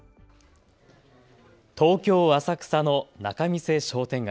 東京浅草の仲見世商店街。